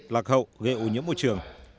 lạc hậu gây ưu nhiễm môi trường